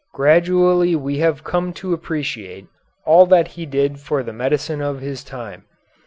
Gradually we have come to appreciate all that he did for the medicine of his time.